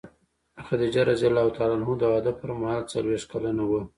خدیجه رض د واده پر مهال څلوېښت کلنه وه.